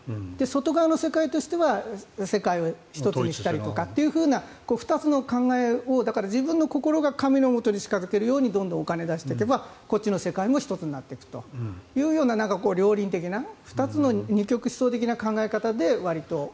外側の世界としては世界を一つにしたりとかという２つの考えを自分の心が神のもとに近付けるようにどんどんお金を出していけばこっちの世界も一つになっていくというような両輪的な２つの二極思想的な考え方でわりと。